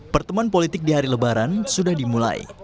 pertemuan politik di hari lebaran sudah dimulai